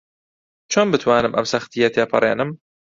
چۆن بتوانم ئەم سەختییە تێپەڕێنم؟